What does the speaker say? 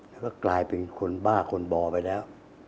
แล้วก็กลายเป็นคนบ้าคนบ่อไปแล้ว